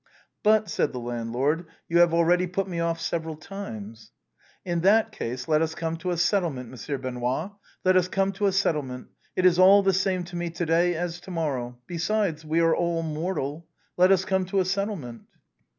"But," said the landlord, "you have already put me off several times." " In that case let us come to a settlement. Monsieur 116 THE BOHEMIANS OF THE LATIN QUARTER. Benoît, let us come to a settlement, it is all the same to me to day as to morrow. Besides we are all mortal. Let us come to a settlement."